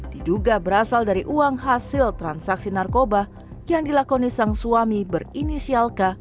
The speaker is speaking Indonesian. diduga berasal dari uang hasil transaksi narkoba yang dilakoni sang suami berinisial k